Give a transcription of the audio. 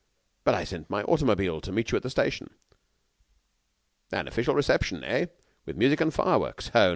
"But I sent my automobile to meet you at the station." "An official reception, eh? with music and fireworks! Oh!